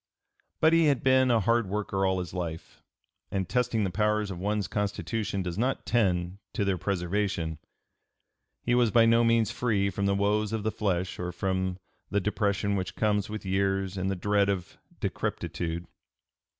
But he had been a hard worker all his life, and testing the powers of one's constitution does not tend to their preservation; he was by no means free from the woes of the flesh or from the depression which comes with years and the dread of decrepitude.